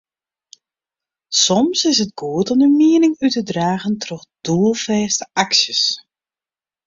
Soms is it goed om dyn miening út te dragen troch doelfêste aksjes.